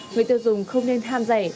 người tiêu dùng không nên ham rẻ